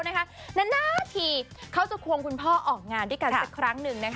นาทีเขาจะควงคุณพ่อออกงานด้วยกันสักครั้งหนึ่ง